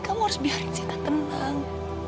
kamu harus biarin sita tenang